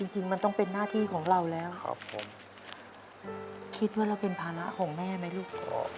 จริงมันต้องเป็นหน้าที่ของเราแล้วคิดว่าเราเป็นภาระของแม่ไหมลูก